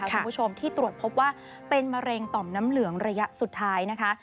คุณผู้ชมที่ตรวจพบว่าเป็นมะเร็งต่อมน้ำเหลืองระยะสุดท้ายนะคะ